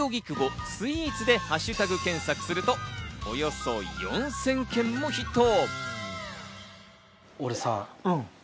「＃スイーツ」でハッシュタグ検索すると、およそ４０００件もヒット。